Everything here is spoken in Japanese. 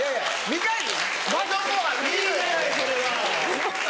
いいじゃないそれは。